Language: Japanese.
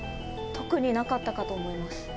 特になかったかと思います。